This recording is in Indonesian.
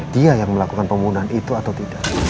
dia yang melakukan pembunuhan itu atau tidak